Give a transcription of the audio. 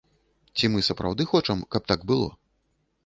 Ці мы сапраўды хочам, каб так было?